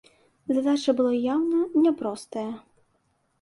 Задача была яўна не простая.